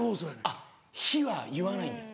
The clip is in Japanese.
あっ「ひ」は言わないんです。